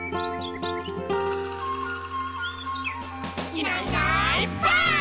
「いないいないばあっ！」